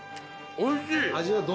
おいしい。